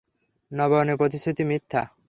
নবায়নের প্রতিশ্রুতি মিথ্যা।